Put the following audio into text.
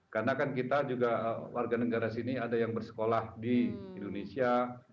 karena kan kita juga warga negara sini ada yang bersekolah di indonesia